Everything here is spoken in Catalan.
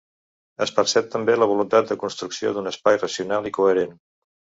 Es percep també la voluntat de construcció d'un espai racional i coherent.